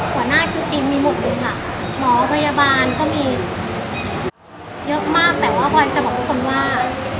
หัวหน้าคือซีมมีหมดเลยค่ะหมอพยาบาลก็มีเยอะมากแต่ว่าพลอยจะบอกทุกคนว่า